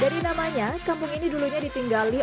dari namanya kampung ini dulunya ditinggali